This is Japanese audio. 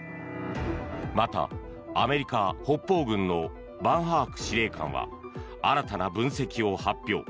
また、アメリカ北方軍のバンハーク司令官は新たな分析を発表。